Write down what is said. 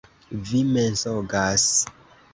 Vi mensogas!